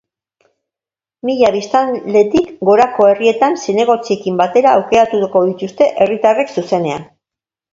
Mila biztanletik gorako herrietan zinegotziekin batera aukeratuko dituzte herritarrek, zuzenean.